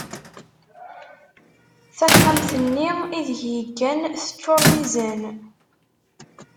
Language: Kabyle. Taxxamt-nni ideg yeggan teččur d izan.